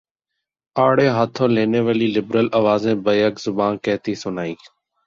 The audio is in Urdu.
آڑے ہاتھوں لینے والی لبرل آوازیں بیک زبان کہتی سنائی